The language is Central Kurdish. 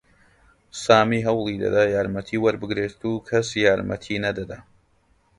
سامی هەوڵی دەدا یارمەتی وەربگرێت و کەس یارمەتیی نەدەدا.